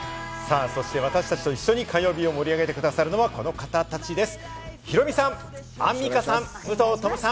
私たちと一緒に火曜日を盛り上げてくださるのは、この方たちです！